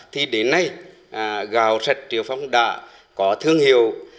thì đến nay gào sạch triệu phong đã có thương hiệu